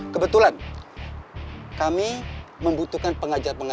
kebetulan kami membutuhkan pengajar pengajar